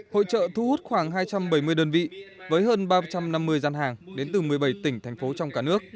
hội trợ thu hút khoảng hai trăm bảy mươi đơn vị với hơn ba trăm năm mươi gian hàng đến từ một mươi bảy tỉnh thành phố trong cả nước